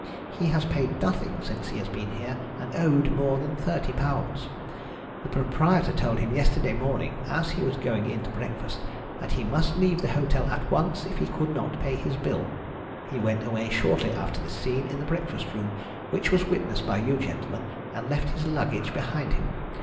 He has paid nothing since he has been here, and owed more than £30. The proprietor told him yesterday morning, as he was going in to breakfast, that he must leave the hotel at once if he could not pay his bill. He went away shortly after the scene in the breakfast room which was witnessed by you gentlemen, and left his luggage behind him.